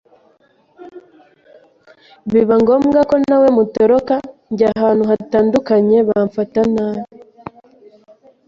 biba ngombwa ko na we mutoroka njya ahantu hatandukanye bamfata nabi